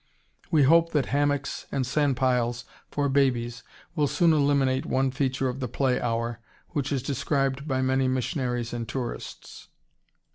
We hope that hammocks and sandpiles for babies will soon eliminate one feature of the play hour which is described by many missionaries and tourists.